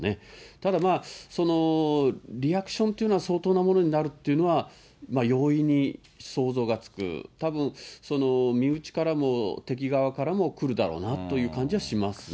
ただリアクションというのは、相当なものになるっていうのは容易に想像がつく、たぶん、身内からも敵側からもくるだろうなという感じはしますね。